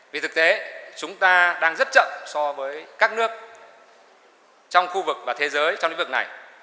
vì thực tế chúng ta đang rất chậm so với các nước trong khu vực và thế giới trong lĩnh vực này